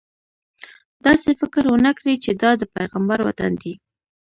داسې فکر ونه کړې چې دا د پیغمبر وطن دی.